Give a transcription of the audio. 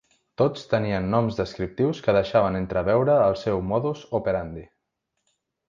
Tots tenien noms descriptius que deixaven entreveure el seu modus operandi.